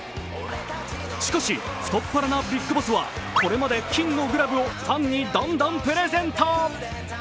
しかし、太っ腹なＢＩＧＢＯＳＳはこれまで金のグラブをファンにどんどんプレゼント。